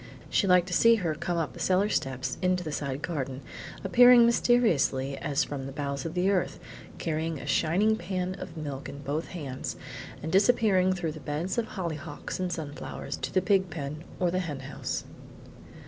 She liked to see her come up the cellar steps into the side garden, appearing mysteriously as from the bowels of the earth, carrying a shining pan of milk in both hands, and disappearing through the beds of hollyhocks and sunflowers to the pig pen or the hen house.